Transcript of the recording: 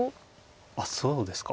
あっそうですか。